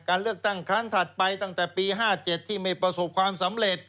เลือกตั้งครั้งถัดไปตั้งแต่ปี๕๗ที่ไม่ประสบความสำเร็จ